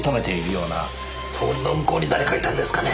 通りの向こうに誰かいたんですかね？